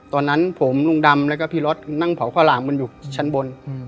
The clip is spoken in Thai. ตอนนั้นผมลุงดำแล้วก็พี่รถนั่งเผาข้าวหลามกันอยู่ชั้นบน